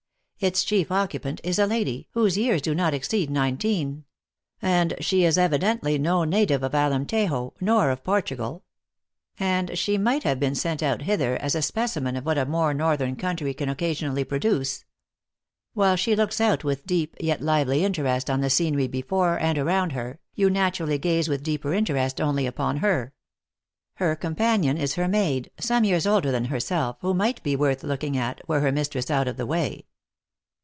Its chief occupant is a lady, whose years do not exceed nine teen ; and she is evidently no native of Alemtejo, nor of Portugal ; and might have been sent out hither as a specimen of what a more northern country can occa sionally produce. While she looks out with deep, yet lively interest on the scenery before and around her, THE ACTRESS IN HIGH LIFE. 15 you naturally gaze with deeper interest only upon her. Her companion is her maid, some years older than herself, who might be worth looking at, were her mis tress out of the way.